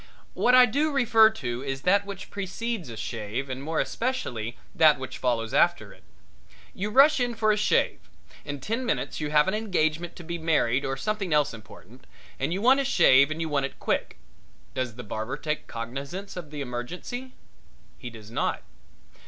What I do refer to is that which precedes a shave and more especially that which follows after it. You rush in for a shave. In ten minutes you have an engagement to be married or something else important, and you want a shave and you want it quick. Does the barber take cognizance of the emergency? He does not.